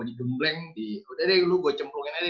digembleng udah deh gue cempurin aja